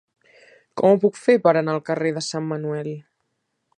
Com ho puc fer per anar al carrer de Sant Manuel?